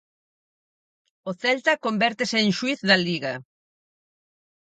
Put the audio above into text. O Celta convértese en xuíz da Liga.